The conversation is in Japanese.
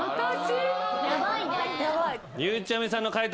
ゆうちゃみさんの解答